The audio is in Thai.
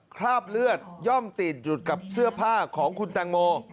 คราบเลือดย่อมติดอยู่กับเสื้อผ้าของคุณแตงโม